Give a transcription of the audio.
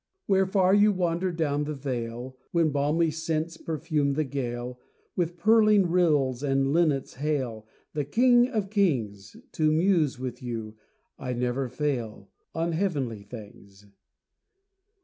Where far you wander down the vale, When balmy scents perfume the gale, And purling rills and linnets hail The King of kings, To muse with you I never fail, On heavenly things.